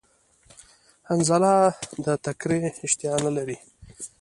حنظله د تکری اشتها نلری